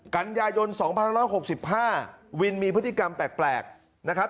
กันยายน๒๑๖๕วินมีพฤติกรรมแปลกนะครับ